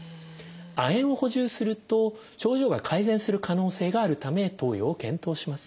亜鉛を補充すると症状が改善する可能性があるため投与を検討します。